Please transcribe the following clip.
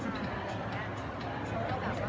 มันเป็นสิ่งที่จะให้ทุกคนรู้สึกว่า